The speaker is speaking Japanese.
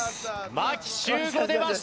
牧秀悟出ました！